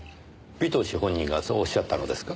尾藤氏本人がそうおっしゃったのですか？